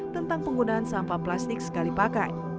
tentang penggunaan sampah plastik sekali pakai